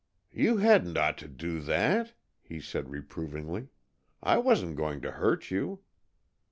"You hadn't ought to do that," he said reprovingly; "I wasn't going to hurt you."